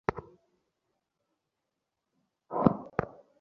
আমাকে তাতে চড়িয়ে দিলেন।